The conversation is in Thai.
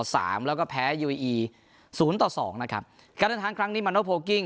สามแล้วก็แพ้ยูเออีศูนย์ต่อสองนะครับการเดินทางครั้งนี้มาโนโพลกิ้ง